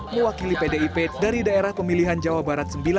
mewakili pdip dari daerah pemilihan jawa barat sembilan